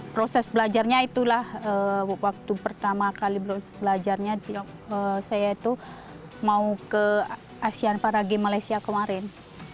proses belajarnya itu waktu pertama kali belajarnya saya mau ke asean parage malaysia kemarin